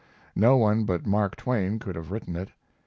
No one but Mark Twain could have written it.